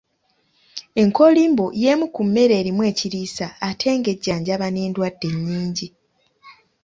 Enkoolimbo y’emu ku mmere erimu ekiriisa ate nga ejjanjaba n’endwadde nnyingi.